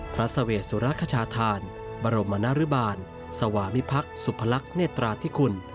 สเวสุรคชาธานบรมนรบาลสวามิพักษ์สุพลักษณ์เนตราธิคุณ